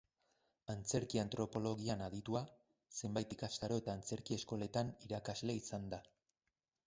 Antzerki-antropologian aditua, zenbait ikastaro eta antzerki eskoletan irakasle izan da.